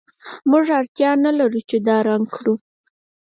موږ اړتیا نلرو چې دا رنګ کړو